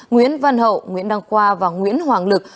nguyễn văn hậu nguyễn đăng khoa và nguyễn hoàng lực